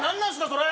それ！